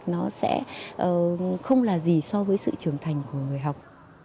nó sẽ không là gì so với sự trưởng thành của người học